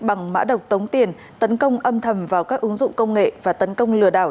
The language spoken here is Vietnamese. bằng mã độc tống tiền tấn công âm thầm vào các ứng dụng công nghệ và tấn công lừa đảo